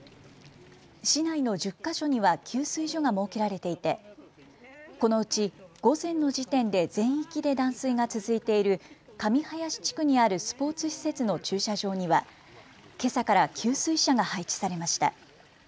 市内の１０か所には給水所が設けられていてこのうち午前の時点で全域で断水が続いている神林地区にあるスポーツ施設の駐車場にはけさから給水車が配置されました。